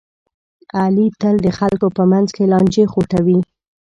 علي تل د خلکو په منځ کې لانجې خوټوي.